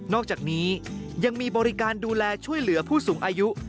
อกจากนี้ยังมีบริการดูแลช่วยเหลือผู้สูงอายุ